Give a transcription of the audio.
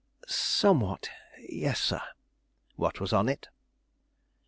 "Somewhat; yes, sir." "What was on it?"